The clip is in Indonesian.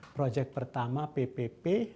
proyek pertama ppp